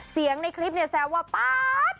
เสียงในคลิปแซวว่าป๊า๊ด